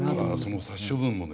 その殺処分もね